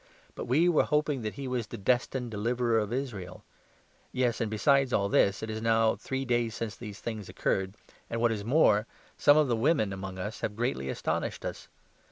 But we 21 were hoping that lie was the Destined Deliverer of Israel ; yes, and besides all this, it is now three days since these things occurred. And what is more, some of the women among "22 us have greatly astonished us.